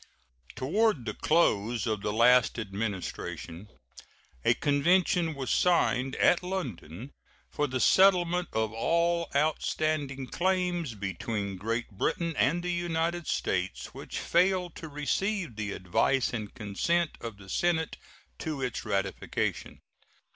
Toward the close of the last Administration a convention was signed at London for the settlement of all outstanding claims between Great Britain and the United States, which failed to receive the advice and consent of the Senate to its ratification.